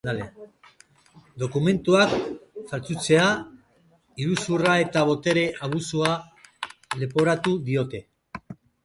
Dokumentuak faltsutzea, iruzurra eta botere abusua leporatu diote.